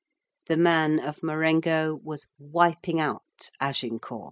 The man of Marengo was wiping out Agincourt.